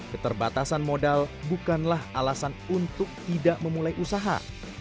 keterbatasan modal bukanlah alasan untuk tidak memulai usaha